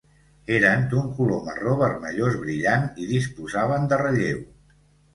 Eren d'un color marró vermellós brillant i disposaven de relleu.